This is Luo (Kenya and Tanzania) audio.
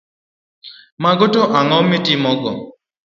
Mago to ang’o miting’ogo?